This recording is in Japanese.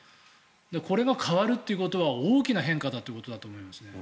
これが変わるということは大きな変化だと思いますね。